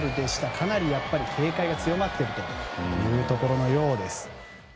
かなり警戒が強まっているというところのようです。